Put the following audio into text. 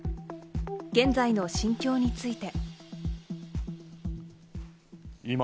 現在の心境について。